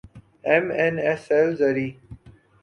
M N S زرعی